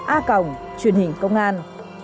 a cồng truyền hình công an